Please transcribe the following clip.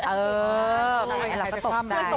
เออใครจะตกใจ